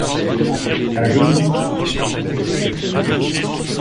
À genoux.